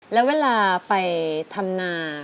แล้วเวลาไปทำนา